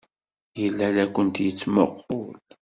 Yella la kent-yettmuqqul.